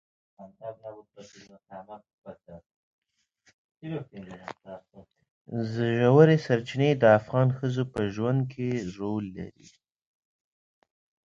ژورې سرچینې د افغان ښځو په ژوند کې رول لري.